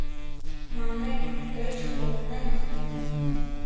Manuel ¿Kaychu quranayki?